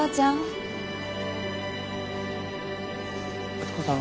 敦子さん。